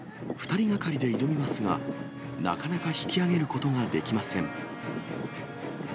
２人がかりで挑みますが、なかなか引き上げることができません。